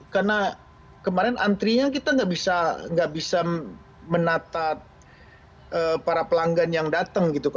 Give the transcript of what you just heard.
karena kemarin antrinya kita gak bisa menata para pelanggan yang dateng gitu kan